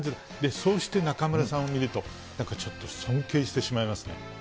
そうして中丸さんを見ると、なんかちょっと尊敬してしまいますね。